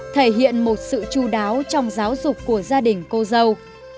thể hiện một sự chú đáo trong giáo dục của gia đình cô dâu